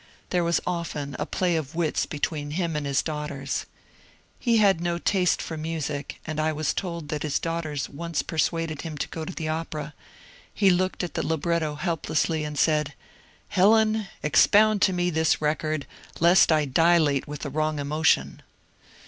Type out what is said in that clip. There was often a play of wits between him and his daughters. He had no taste for music, and I was told that his daughters once per suaded him to go to the opera : he looked at die libretto help lessly and said, ^^ Helen, expound to me this record, lest I dilate with the wrong emotion